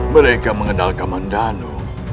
mereka mengenal kamandhanu